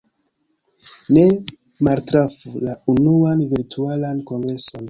Ne maltrafu la unuan Virtualan Kongreson!